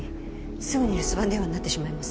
すぐに留守番電話になってしまいます。